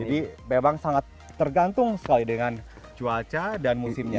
jadi memang sangat tergantung sekali dengan cuaca dan musimnya